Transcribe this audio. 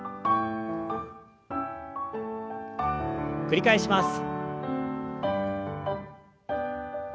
繰り返します。